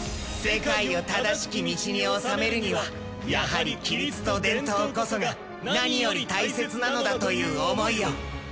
世界を正しき道に治めるにはやはり規律と伝統こそが何より大切なのだという思いを。